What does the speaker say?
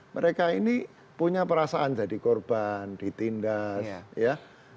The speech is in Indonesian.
mereka ini punya perasaan jadi korban ditindas ya